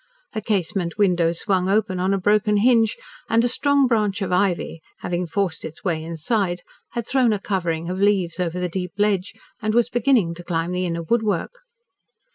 A casement window swung open, on a broken hinge, and a strong branch of ivy, having forced its way inside, had thrown a covering of leaves over the deep ledge, and was beginning to climb the inner woodwork.